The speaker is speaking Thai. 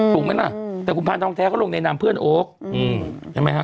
ถูกไหมล่ะแต่คุณพานทองแท้เขาลงในนามเพื่อนโอ๊คใช่ไหมฮะ